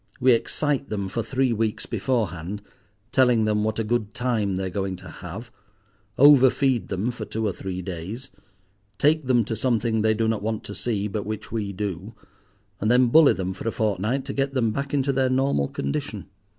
We excite them for three weeks beforehand, telling them what a good time they are going to have, over feed them for two or three days, take them to something they do not want to see, but which we do, and then bully them for a fortnight to get them back into their normal condition.